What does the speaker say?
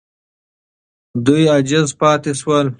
دوی عاجز پاتې سول.